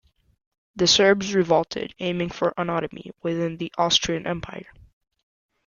The Serbs revolted, aiming for autonomy within the Austrian Empire.